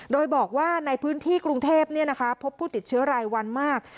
โดยบอกว่าในพื้นที่กรุงเทพพบผู้ติดเชื้อรายวันมาก